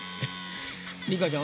六花ちゃん